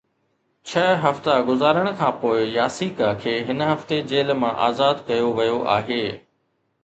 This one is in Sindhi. ڇهه هفتا گذارڻ کانپوءِ ياسيڪا کي هن هفتي جيل مان آزاد ڪيو ويو آهي